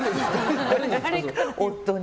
夫に。